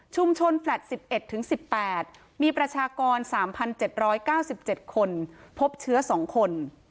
แฟลต์๑๑๑๘มีประชากร๓๗๙๗คนพบเชื้อ๒คน